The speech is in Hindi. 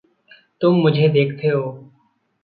तुम मुझे देखते हो।